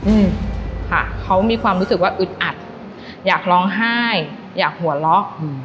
อืมค่ะเขามีความรู้สึกว่าอึดอัดอยากร้องไห้อยากหัวเราะอืม